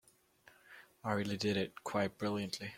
I really did it quite brilliantly.